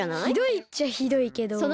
ひどいっちゃひどいけど。